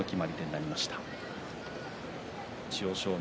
千代翔馬。